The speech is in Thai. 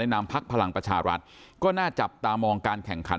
นามพักพลังประชารัฐก็น่าจับตามองการแข่งขัน